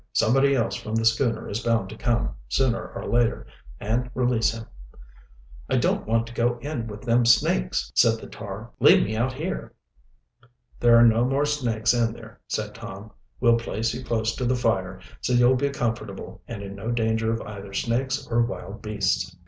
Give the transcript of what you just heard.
"Somebody else from the schooner is bound to come, sooner or later, and release him." "I don't want to go in with them snakes," said the tar. "Leave me out here." "There are no more snakes in there," said Tom. "We'll place you close to the fire, so you'll be comfortable and in no danger of either snakes or wild beasts."